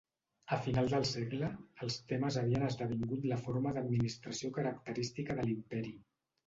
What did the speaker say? A final del segle, els temes havien esdevingut la forma d'administració característica de l'imperi.